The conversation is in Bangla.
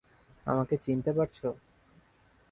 আমাকে চিনতে পারছো?